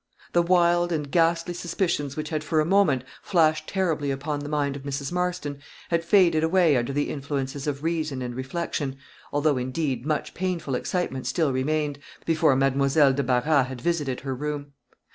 The wild and ghastly suspicions which had for a moment flashed terribly upon the mind of Mrs. Marston, had faded away under the influences of reason and reflection, although, indeed, much painful excitement still remained, before Mademoiselle de Barras had visited her room.